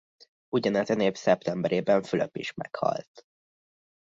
Ugyanezen év szeptemberében Fülöp is meghalt.